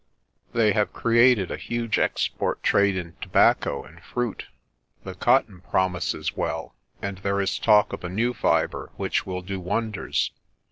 They have created a huge export trade in tobacco and fruit; the cotton promises well; and there is talk of a new fibre which will do wonders.